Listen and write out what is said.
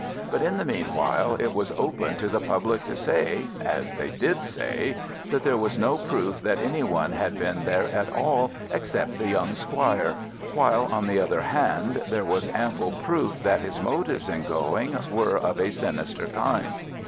But in the meanwhile it was open to the public to say—as they did say—that there was no proof that any one had been there at all except the young squire; while, on the other hand, there was ample proof that his motives in going were of a sinister kind.